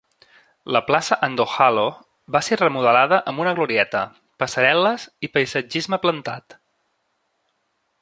La plaça Andohalo va ser remodelada amb una glorieta, passarel·les i paisatgisme plantat.